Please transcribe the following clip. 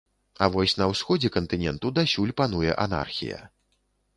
А вось на ўсходзе кантыненту дасюль пануе анархія.